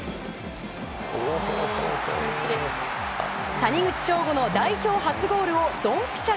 谷口彰悟の代表初ゴールをドンピシャ